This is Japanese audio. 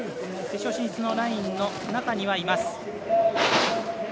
決勝進出のラインの中にはいます。